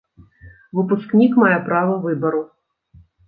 Выпускнік мае права выбару.